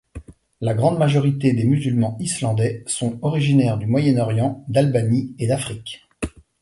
La grande majorité des musulmans islandais sont originaires du Moyen-Orient, d'Albanie et d'Afrique.